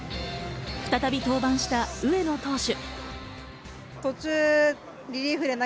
再び登板した上野投手。